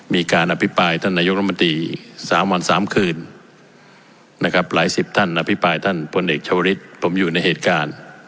มีการอภิปรายท่านนายกรมนตรี๓วัน๓คืน